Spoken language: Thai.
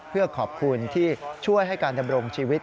เพื่อขอบคุณที่ช่วยให้การดำรงชีวิต